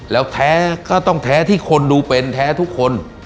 แล้วแท้ก็ต้องแท้ที่คนดูเป็นแท้ทุกคน